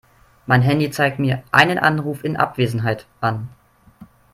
Mein Handy zeigt mir einen Anruf in Abwesenheit an.